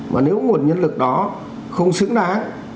và nếu nguồn nhân lực đó không xứng đáng